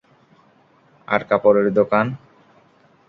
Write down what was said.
আর কাপড়ের দোকান?